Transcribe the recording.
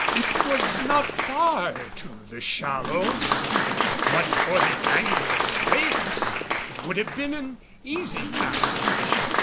It was not far to the shallows, and but for the anger of the waves it would have been an easy passage.